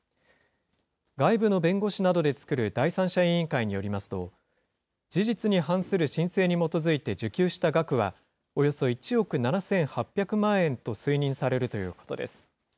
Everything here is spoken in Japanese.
外部の弁護士などで作る第三者委員会によりますと、事実に反する申請に基づいて受給した額は、およそ１億７８００万円と推認されるということです。